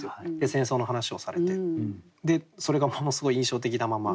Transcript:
戦争の話をされてそれがものすごい印象的なまま。